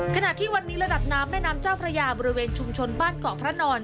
ขณะที่วันนี้ระดับน้ำแม่น้ำเจ้าพระยาบริเวณชุมชนบ้านเกาะพระนอน